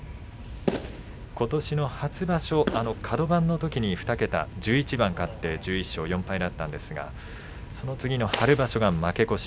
ことしの初場所カド番のときに２桁１１番勝って１１勝４敗だったんですがそのあとの春場所は負け越し。